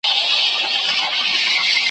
ته به خبره نه یې ,